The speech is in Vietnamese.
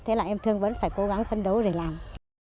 thế là em thương vẫn phải cố gắng phân đấu để làm